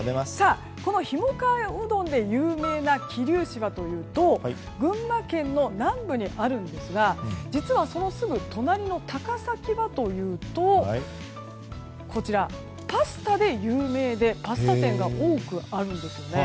このひもかわうどんで有名な桐生市はというと群馬県の南部にあるんですが実は、そのすぐ隣の高崎はというとパスタで有名でパスタ店が多くあるんですよね。